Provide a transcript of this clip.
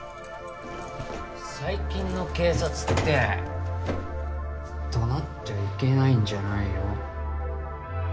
最近の警察って怒鳴っちゃいけないんじゃないの？